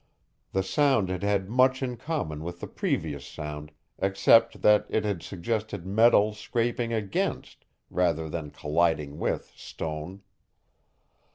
The sound had had much in common with the previous sound, except that it had suggested metal scraping against, rather than colliding with, stone.